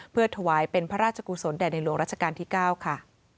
เพื่อถวายเป็นพระราชกุศลแด่ในหลวงราชการที่๙ค่ะ